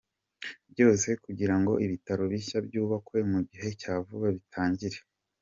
byose kugira ngo ibitaro bishya byubakwe mu gihe cya vuba bitangire